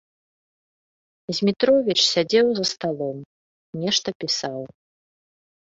Змітровіч сядзеў за сталом, нешта пісаў.